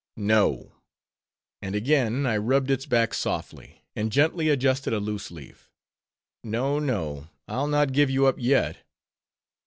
No!—And again I rubbed its back softly, and gently adjusted a loose leaf: No, no, I'll not give you up yet.